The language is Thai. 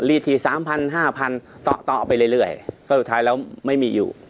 ลีที๓๐๐๐๕๐๐๐ต่อต่อไปเรื่อยสุดท้ายแล้วไม่มีอยู่